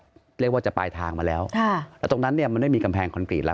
เขาเรียกว่าจะปลายทางมาแล้วค่ะแล้วตรงนั้นเนี่ยมันไม่มีกำแพงคอนกรีตแล้ว